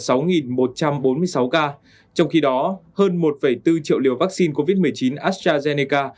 trong khi đó hơn một bốn triệu liều vaccine covid một mươi chín astrazeneca